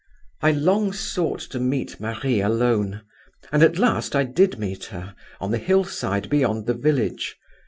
"I long sought to meet Marie alone; and at last I did meet her, on the hillside beyond the village.